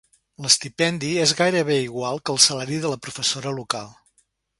L"estipendi es gairebé igual que el salari de la professora local.